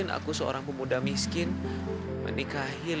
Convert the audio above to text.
tapi aku sudah tidak tahan